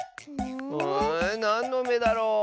んなんのめだろう？